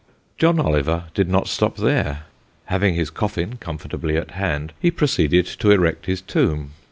John Oliver did not stop there. Having his coffin comfortably at hand, he proceeded to erect his tomb.